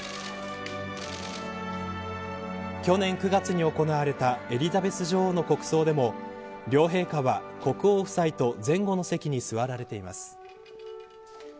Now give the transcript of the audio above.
去年９月に行われたエリザベス女王の国葬でも両陛下は国王夫妻と前後の席に座られています。